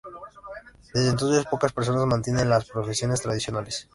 Desde entonces, pocas personas mantienen las profesiones tradicionales.